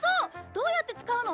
どうやって使うの？